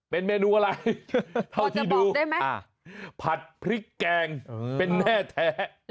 เป็นเมนูอะไรเท่าที่ดูได้ไหมผัดพริกแกงเป็นแน่แท้